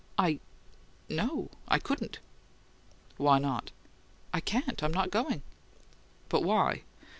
"I No; I couldn't." "Why not?" "I can't. I'm not going." "But why?"